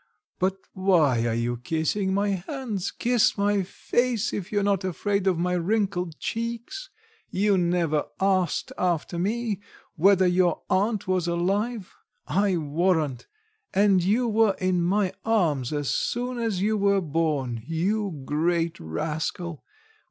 But why are you kissing my hands kiss my face if you're not afraid of my wrinkled cheeks. You never asked after me whether your aunt was alive I warrant: and you were in my arms as soon as you were born, you great rascal!